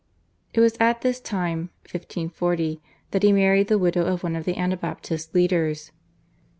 It was at this time (1540) that he married the widow of one of the Anabaptist leaders.